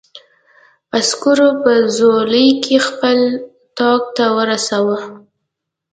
عسکرو په ځولۍ کې خپل اتاق ته ورساوه.